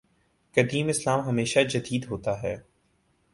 قدیم اسلام ہمیشہ جدید ہوتا ہے۔